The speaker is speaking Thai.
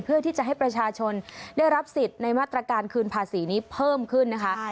เพื่อที่จะให้ประชาชนได้รับสิทธิ์ในมาตรการคืนภาษีนี้เพิ่มขึ้นนะคะ